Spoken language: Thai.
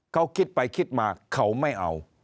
เขาคิดไปคิดมาเขาไม่เอา